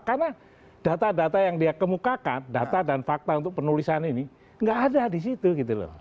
karena data data yang dia kemukakan data dan fakta untuk penulisan ini gak ada di situ gitu loh